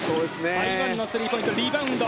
台湾のスリーポイントリバウンド